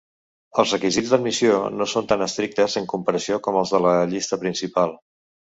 Els requisits d'admissió no són tan estrictes en comparació amb els de la Llista principal.